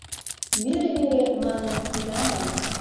«Мӧрӧ-мӧрӧ» манын ида ман.